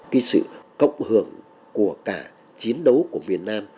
cái sự cộng hưởng của cả chiến đấu của miền nam